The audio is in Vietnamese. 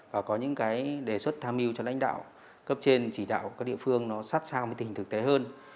và có những cái đề xuất tham mưu cho lãnh đạo cấp trên chỉ đạo các địa phương nó sát sao với tình hình thực tế hơn